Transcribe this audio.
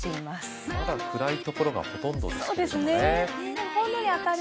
まだ暗いところがほとんどですね。